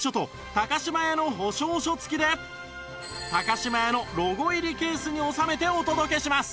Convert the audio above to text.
島屋のロゴ入りケースに収めてお届けします